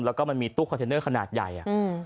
แล้วก็มันมีตู้คอนเทนเนอร์ขนาดใหญ่